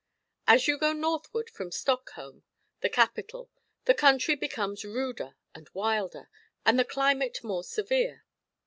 As you go northward from Stockholm, the capital, the country becomes ruder and wilder, and the climate more severe.